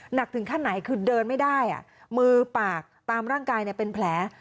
หนักถึงขั้นไหนคือเดินไม่ได้มือปากตามร่างกายเป็นแผล